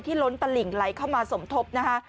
ล้นตลิ่งไหลเข้ามาสมทบนะคะ